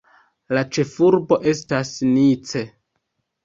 La ĉefurbo estas Nice.